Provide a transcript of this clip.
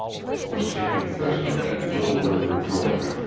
Was taken pris oner at Little River, Ga.